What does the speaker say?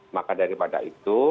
maka daripada itu